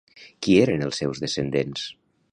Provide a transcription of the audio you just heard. Qui eren els seus descendents?